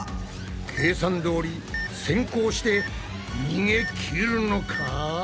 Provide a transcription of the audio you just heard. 計算どおり先攻して逃げきるのか！？